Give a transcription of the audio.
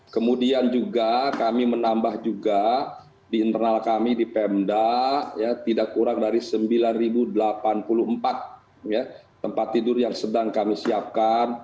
kemudian juga kami menambah juga di internal kami di pemda tidak kurang dari sembilan delapan puluh empat tempat tidur yang sedang kami siapkan